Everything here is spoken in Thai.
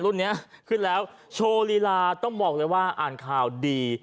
รุ่นนี้ขึ้นแล้วโชว์ลีลาต้องบอกเลยว่าอ่านข่าวดี